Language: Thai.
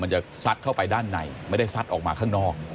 จะซัดเข้าไปด้านในไม่ได้ซัดออกมาข้างนอก